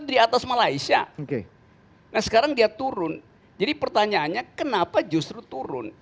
di atas malaysia oke nah sekarang dia turun jadi pertanyaannya kenapa justru turun